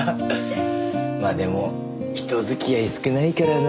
まあでも人付き合い少ないからな。